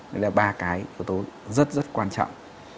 đấy là ba cái yếu tố rất rất quan trọng